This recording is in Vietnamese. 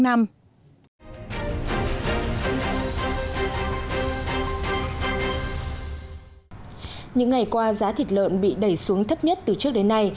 những ngày qua giá thịt lợn bị đẩy xuống thấp nhất từ trước đến nay